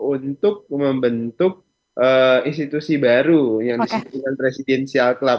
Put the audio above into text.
untuk membentuk institusi baru yang disebutkan presidensial club